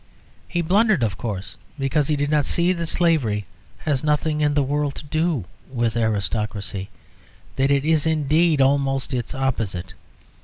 He blundered, of course, because he did not see that slavery has nothing in the world to do with aristocracy, that it is, indeed, almost its opposite.